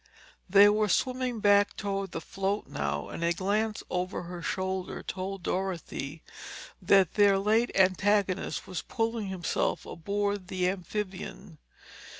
They were swimming back toward the float now and a glance over her shoulder told Dorothy that their late antagonist was pulling himself aboard the amphibian.